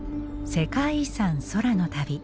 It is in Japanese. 「世界遺産空の旅」。